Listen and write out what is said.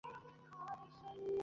হ্যাঁ, হ্যালো!